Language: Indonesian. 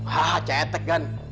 hah cetek kan